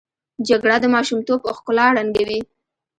جګړه د ماشومتوب ښکلا ړنګوي